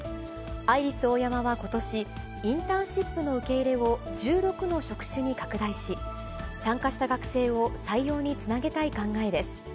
アイリスオーヤマはことし、インターンシップの受け入れを１６の職種に拡大し、参加した学生を採用につなげたい考えです。